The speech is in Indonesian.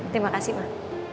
terima kasih emang